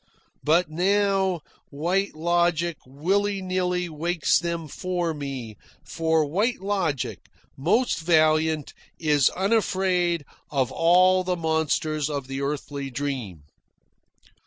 But now White Logic willy nilly wakes them for me, for White Logic, most valiant, is unafraid of all the monsters of the earthly dream.